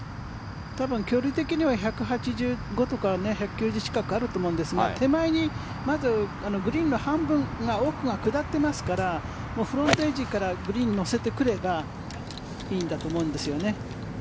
多分距離的には１８５とか１９０近くあると思うんですが手前にまず、グリーンの半分が奥が下ってますからフロントエッジからグリーンに乗せてくればいいんだと思うんですよね。